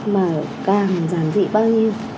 mà càng giản dị bao nhiêu